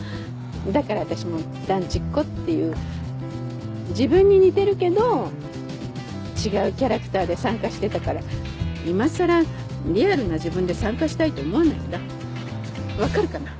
だから私も「団地っこ」っていう自分に似てるけど違うキャラクターで参加してたから今さらリアルな自分で参加したいと思わないんだわかるかな？